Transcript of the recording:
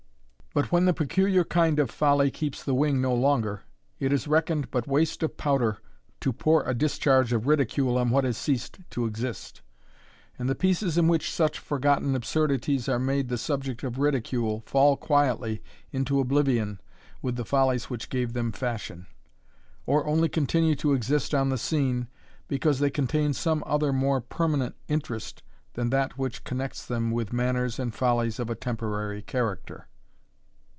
But when the peculiar kind of folly keeps the wing no longer, it is reckoned but waste of powder to pour a discharge of ridicule on what has ceased to exist; and the pieces in which such forgotten absurdities are made the subject of ridicule, fall quietly into oblivion with the follies which gave them fashion, or only continue to exist on the scene, because they contain some other more permanent interest than that which connects them with manners and follies of a temporary character.